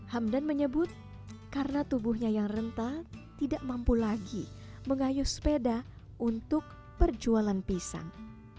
hamdan menyebut karena tubuhnya yang rentah tidak mampu lagi mengayuh sepeda untuk perjualan pisang